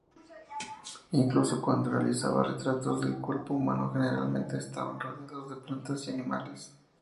Incluso cuando realizaba retratos del cuerpo humano, generalmente estaban rodeados de plantas y animales.